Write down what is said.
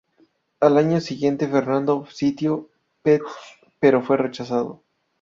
Al año siguiente Fernando sitio Pest, pero fue rechazado.